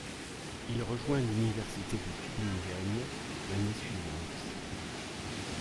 Il rejoint l'université de Tübingen l'année suivante.